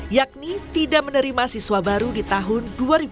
yakni tidak menerima siswa baru di tahun dua ribu dua puluh